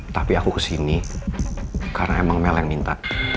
tapi aku kesini karena emang mel yang minta